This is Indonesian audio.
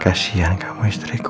kasian kamu istriku